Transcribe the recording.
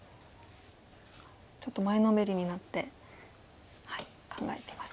ちょっと前のめりになって考えていますね。